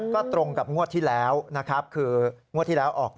ก็ตรงกับงวดที่แล้วนะครับคืองวดที่แล้วออก